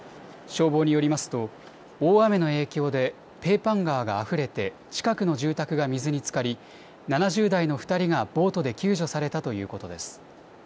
消防によりますと大雨の影響でペーパン川があふれて近くの住宅が水につかり７０代の２人がボートで救助されたということです。